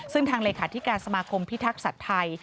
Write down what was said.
ซึ่งทางเลยค่าที่การสมาคมพิทักษัทไทย